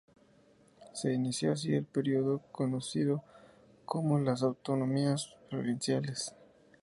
Se inició así el período conocido como de las Autonomías Provinciales.